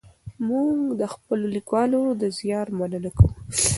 موږ د خپلو لیکوالو د زیار مننه کوو.